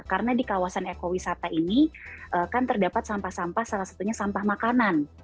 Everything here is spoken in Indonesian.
karena di kawasan ekowisata ini kan terdapat sampah sampah salah satunya sampah makanan